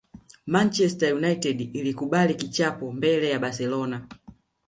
Manchester United ilikubali kichapo mbele ya barcelona